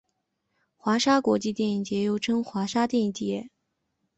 华沙国际电影节又作华沙电影节。